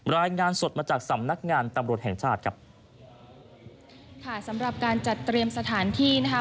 รายงานสดมาจากสำนักงานตำรวจแห่งชาติครับค่ะสำหรับการจัดเตรียมสถานที่นะคะ